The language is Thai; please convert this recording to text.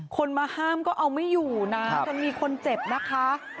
คนมาห้ามก็เอาไม่อยู่นะจนมีคนเจ็บนะคะ